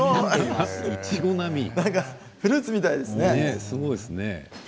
すごいフルーツみたいですね。